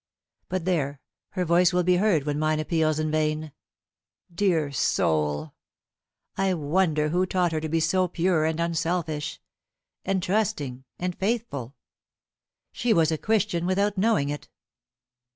But there her voice will be heard when mine appeals in vain. Dear soul! I wonder who taught her to be so pure and unselfish, and trusting and faithful? She was a Christian without knowing it.